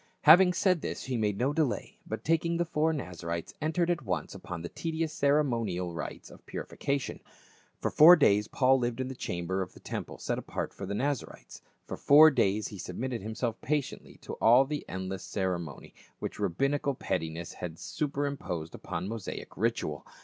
Having said this he made no delay, but taking the four Naza rites entered at once upon the tedious ceremonial rites of purification. For four days Paul lived in the chamber of the temple set apart for the Nazarites ; for four days he submitted himself patiently to all the endless cere monial which rabbinical pettiness had superimposed upon Mosaic ritual.